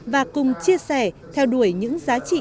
và cùng chia sẻ theo đuổi những giá trị